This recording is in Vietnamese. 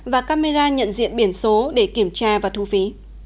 và camera nhận diện biển số để kiểm tra và thu phí